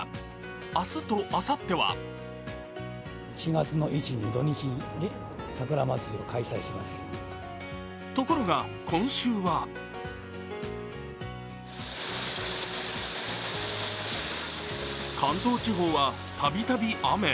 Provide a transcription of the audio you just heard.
明日とあさってはところが今週は関東地方はたびたび雨。